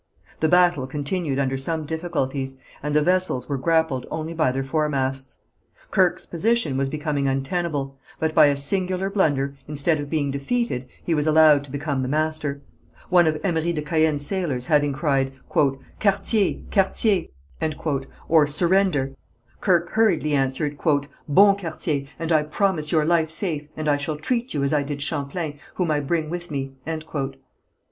The battle continued under some difficulties, and the vessels were grappled only by their foremasts. Kirke's position was becoming untenable, but by a singular blunder instead of being defeated he was allowed to become the master. One of Emery de Caën's sailors having cried "Quartier! Quartier!" or Surrender! Kirke hurriedly answered, "Bon quartier, and I promise your life safe, and I shall treat you as I did Champlain, whom I bring with me."